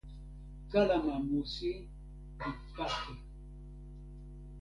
kalama musi li pake.